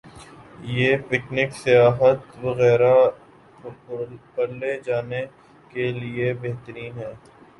۔ یہ پکنک ، سیاحت وغیرہ پرلے جانے کے لئے بہترین ہے۔